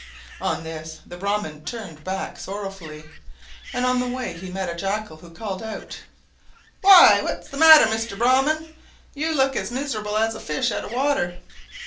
On this the Brahman turned back sorrowfully, and on the way he met a Jackal, who called out, "Why, what's the matter, Mr. Brahman? You look as miserable as a fish out of water!"